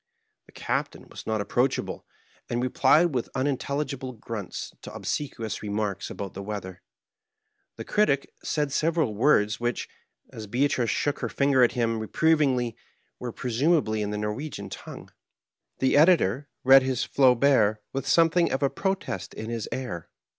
The Captain was not approachahle, and replied with unintelligihle grunts to ohseqaious remarks ahout the weather. The Oritic said several words which, as Beatrice shook her finger at him reprovingly, were presumahly in the Korwegian tongue. The Editor read his Flauhert with something of a protest in his air.